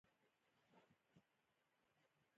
هغه لیکي چې د مغولو پاچایانو یو عادت درلود.